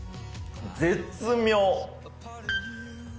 絶妙。